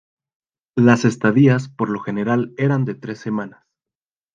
Las estadías por lo general eran de tres semanas.